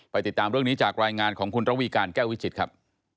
ติดตามเรื่องนี้จากรายงานของคุณระวีการแก้ววิจิตรครับ